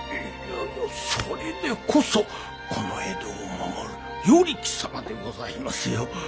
それでこそこの江戸を守る与力様でございますよ。